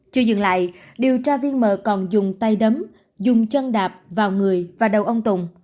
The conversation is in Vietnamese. chưa dừng lại điều tra viên m còn dùng tay đấm dùng chân đạp vào người và đầu ông tùng